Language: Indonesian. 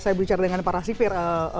saya bicara dengan para sipir